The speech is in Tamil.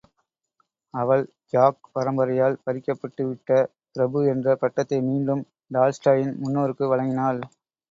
அவள், ஜாக் பரம்பரையால் பறிக்கப்பட்டு விட்ட பிரபு என்ற பட்டத்தை மீண்டும் டால்ஸ்டாயின் முன்னோருக்கு வழங்கினாள்.